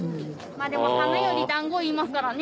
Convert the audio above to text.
でも「花より団子」いいますからね。